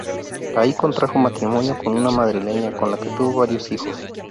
Allí contrajo matrimonio con una madrileña, con la que tuvo varios hijos.